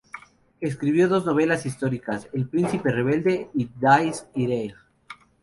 Escribió dos novelas históricas, "El príncipe rebelde" y "Dies irae".